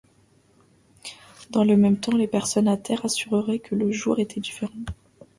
Dans le même temps, les personnes à terre assuraient que le jour était différent.